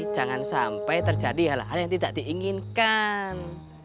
jangan sampai terjadi hal hal yang tidak diinginkan